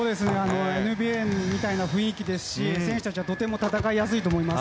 ＮＢＡみたいな雰囲気ですし選手たちはとても戦いやすいと思います。